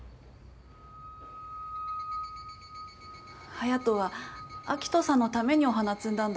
隼斗は秋斗さんのためにお花摘んだんだよ。